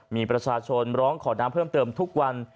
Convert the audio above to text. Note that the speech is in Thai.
มีประชาชนร้องขอน้ำเพิ่มเติมทุกวัน